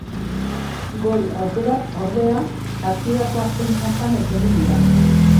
Gol aukerak, ordea, partidako azken txanpan etorri dira.